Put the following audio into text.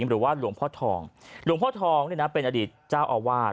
หรือว่าหลวงพ่อทองหลวงพ่อทองเนี่ยนะเป็นอดีตเจ้าอาวาส